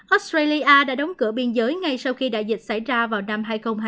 australia đã đóng cửa biên giới ngay sau khi đại dịch xảy ra vào năm hai nghìn hai mươi